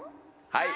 はい！